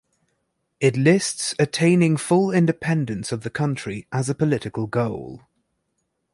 It lists "attaining full independence of the country" as a political goal.